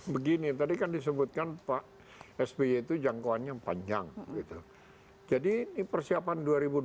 begini tadi kan disebutkan pak sby itu jangkauannya panjang jadi ini persiapan dua ribu dua puluh